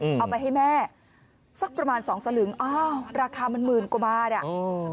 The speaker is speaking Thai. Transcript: เอาไปให้แม่สักประมาณ๒สลึงอ้าวราคามันหมื่นกว่าเนี่ย